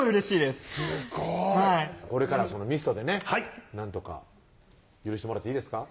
すごいこれからはそのミストでねなんとか許してもらっていいですか？